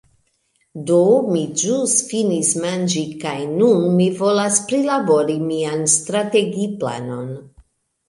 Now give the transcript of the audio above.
Do, mi ĵus finis manĝi kaj nun mi volas prilabori mian strategiplanon